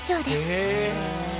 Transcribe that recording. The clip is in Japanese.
へえ！